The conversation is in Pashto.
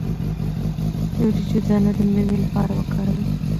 د وریجو دانه د معدې لپاره وکاروئ